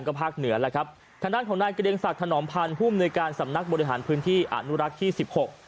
กับภาคเหนือแล้วครับถังด้านของนายกระเด็นสัตว์ถนอมพันธ์หุ้มในการสำนักบริหารพื้นที่อ่านุรักษ์ที่สิบหก